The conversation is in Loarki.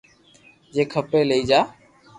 جي کپي لئي جا